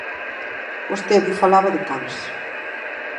Vostede falaba de cans.